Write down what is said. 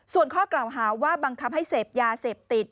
ส่วนข้อกล่าวหาว่าบังคับให้เสพยาเสพติด